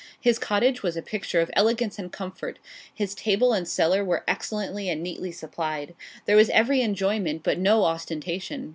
His cottage was a picture of elegance and comfort; his table and cellar were excellently and neatly supplied. There was every enjoyment, but no ostentation.